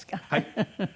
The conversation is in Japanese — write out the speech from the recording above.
フフフフ。